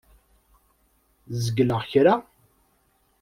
Zegleɣ kra?